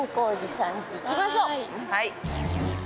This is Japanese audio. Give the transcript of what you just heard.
はい。